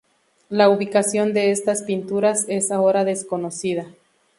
La ubicación de estas pinturas es ahora desconocida.